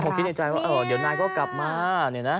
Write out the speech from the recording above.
มันคงคิดในใจว่าเดี๋ยวนายก็กลับมา